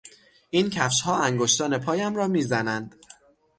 این کفشها انگشتان پایم را میزنند.